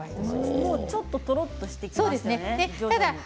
もう、ちょっととろっとしてきましたね。